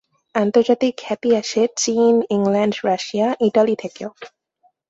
আন্তর্জাতিক খ্যাতি আসে চীন, ইংল্যান্ড, রাশিয়া, ইটালি থেকেও।